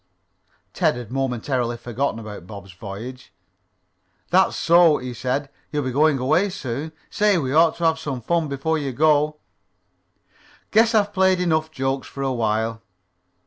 Ted had momentarily forgotten about Bob's voyage. "That's so," he said. "You'll be going away soon. Say, we ought to have some fun before you go." "Guess I've played enough jokes for a while."